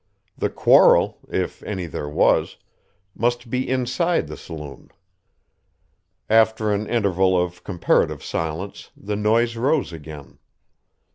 The quarrel, if any there was, must be inside the saloon. After an interval of comparative silence, the noise rose again.